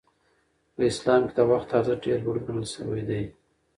په اسلام کې د وخت ارزښت ډېر لوړ ګڼل شوی دی.